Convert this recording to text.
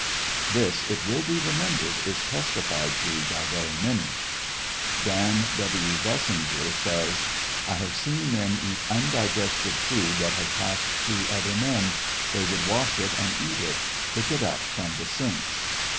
This, it will be remembered, is testified to by very many. Dan. W. Bussinger says : I have seen men eat undigested food that had passed through other men ; they would wash it and eat it; pick it up from the sinks.